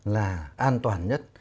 là an toàn nhất